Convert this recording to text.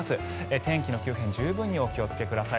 天気の急変十分にお気をつけください。